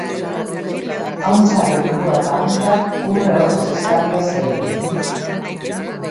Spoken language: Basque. Ahuntzaren burua eta hankak urre orriz estalia zeuden.